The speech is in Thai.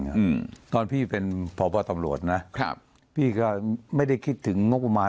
อืมตอนพี่เป็นพบตำรวจนะครับพี่ก็ไม่ได้คิดถึงงบประมาณ